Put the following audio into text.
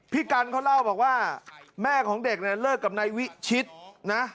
พี่กันเขาเล่าบอกว่าแม่ของเด็กเนี่ยเลิกกับนายวิชิตนะ